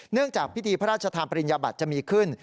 เนื่องจากพิธีพระราชธาปริญญาบัติจะมีขึ้น